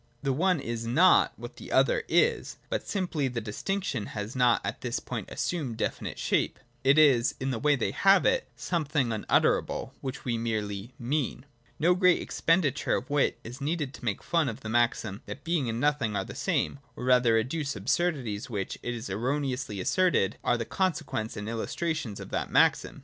The one is not what the other is. But since the distinction has not at this point assumed definite shape (Being and Nothing are still the immediate), it is, in the way that they have it, something unutterable, which we merely mean. (2) No great expenditure of wit is needed to make fun of the maxim that Being and Nothing are the same, or rather to adduce absurdities which, it is erroneously asserted, are the consequences and illustrations of that maxim.